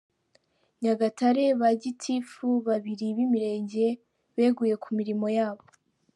Nyagatare:Ba Gitifu baribi b’Imirenge beguye ku mirimo yabo.